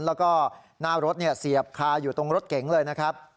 แล้วก็หน้ารถเสียบคาอยู่ตรงรถเก๋งเลยนะครับ